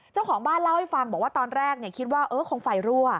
เจ้าของบ้านเล่าให้ฟังบอกว่าตอนแรกคิดว่าคงไฟรั่ว